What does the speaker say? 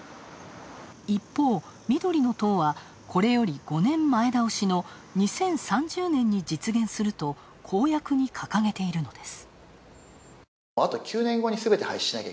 一方、緑の党はこれより５年前倒しの２０３０年に実現すると公約に掲げているのです。